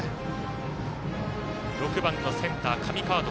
６番センターの上川床。